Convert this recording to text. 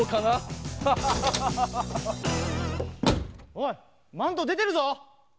おいマントでてるぞ！